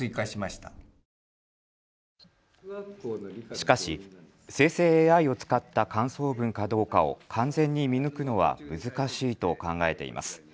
しかし生成ＡＩを使った感想文かどうかを完全に見抜くのは難しいと考えています。